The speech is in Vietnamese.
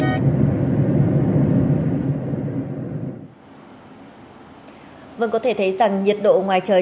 các quý vị có thể thấy rằng nhiệt độ ngoài trời